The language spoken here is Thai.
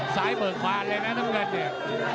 สายเบิกผ่านเลยนะท่านผู้หญิง